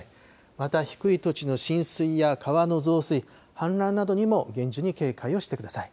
また低い土地の浸水や川の増水、氾濫などにも厳重に警戒をしてください。